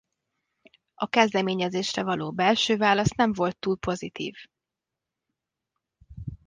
A kezdeményezésre való belső válasz nem volt túl pozitív.